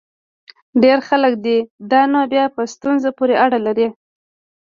ډېر خلک دي؟ دا نو بیا په ستونزه پورې اړه لري.